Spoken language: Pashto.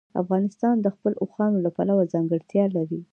افغانستان د خپلو اوښانو له پلوه ځانګړتیا لري.